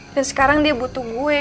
dan sekarang dia butuh gue